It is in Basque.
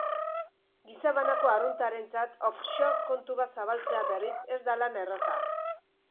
Gizabanako arruntarentzat off-shore kontu bat zabaltzea, berriz, ez da lan erraza.